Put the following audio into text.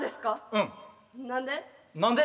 うん。何で？